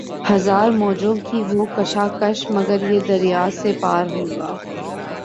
ہزار موجوں کی ہو کشاکش مگر یہ دریا سے پار ہوگا